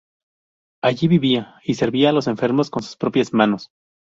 Allí vivía y servía a los enfermos con sus propias manos.